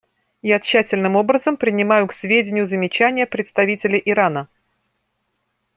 Я тщательным образом принимаю к сведению замечания представителя Ирана.